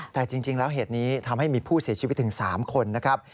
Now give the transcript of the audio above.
แต่จริงแล้วเหตุนี้ทำให้มีผู้เสียชีวิตถึง๓คนนะครับ